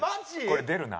これ出るな。